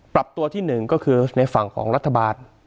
ปรับตัวที่๑ก็คือในฝั่งของรัฐบาล